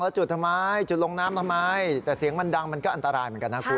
แล้วจุดทำไมจุดลงน้ำทำไมแต่เสียงมันดังมันก็อันตรายเหมือนกันนะคุณ